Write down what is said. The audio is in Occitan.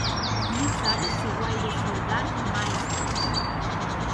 Non sabes se guaire shordant m'a estat.